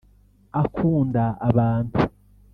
Akunda abantu